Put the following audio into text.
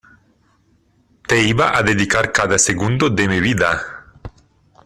te iba a dedicar cada segundo de mi vida.